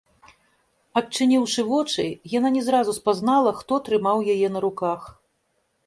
Адчыніўшы вочы, яна не зразу спазнала, хто трымаў яе на руках.